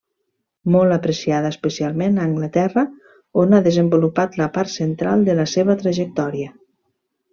Molt apreciada especialment a Anglaterra on ha desenvolupat la part central de la seva trajectòria.